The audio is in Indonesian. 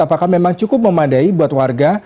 apakah memang cukup memadai buat warga